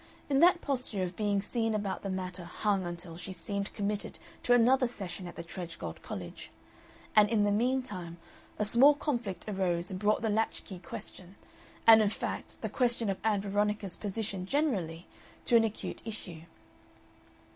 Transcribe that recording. In that posture of being seen about the matter hung until she seemed committed to another session at the Tredgold College, and in the mean time a small conflict arose and brought the latch key question, and in fact the question of Ann Veronica's position generally, to an acute issue.